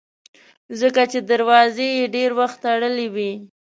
ځکه چې دروازې یې ډېر وخت تړلې وي.